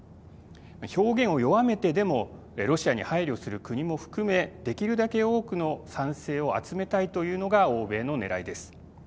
表現を弱めてでもロシアに配慮する国も含めできるだけ多くの賛成を集めたいというのが欧米のねらいです。